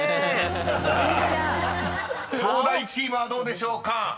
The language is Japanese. ［東大チームはどうでしょうか？］